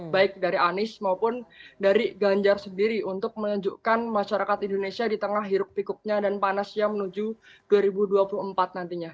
baik dari anies maupun dari ganjar sendiri untuk menunjukkan masyarakat indonesia di tengah hiruk pikuknya dan panasnya menuju dua ribu dua puluh empat nantinya